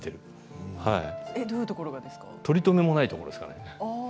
取り留めもないところですね。